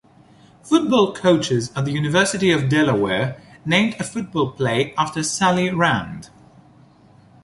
Football coaches at the University of Delaware named a football play after Sally Rand.